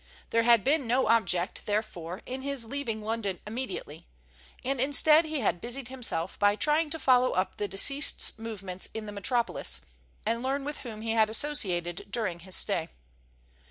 There had been no object, therefore, in his leaving London immediately, and instead he had busied himself by trying to follow up the deceased's movements in the metropolis, and learn with whom he had associated during his stay.